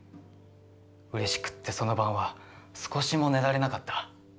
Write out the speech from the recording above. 嬉しくってその晩は少しも寝られなかった。